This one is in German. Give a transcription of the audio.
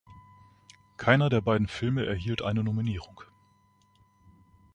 Keiner der beiden Filme erhielt eine Nominierung.